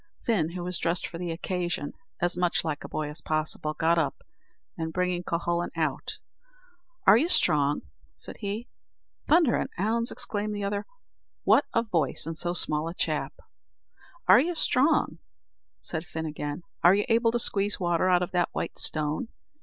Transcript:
Fin, who was dressed for the occasion as much like a boy as possible, got up, and bringing Cuhullin out, "Are you strong?" said he. "Thunder an' ounds!" exclaimed the other, "what a voice in so small a chap!" "Are you strong?" said Fin again; "are you able to squeeze water out of that white stone?"